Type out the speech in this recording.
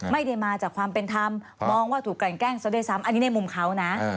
ไม่ได้มาจากความเป็นธรรมมองว่าถูกกันแกล้งซะด้วยซ้ำอันนี้ในมุมเขานะ